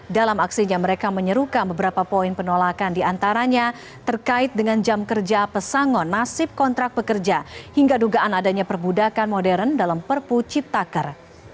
dalam aksinya mereka menyerukan beberapa poin penolakan diantaranya terkait dengan jam kerja pesangon nasib kontrak pekerja hingga dugaan adanya perbudakan modern dalam perpu ciptaker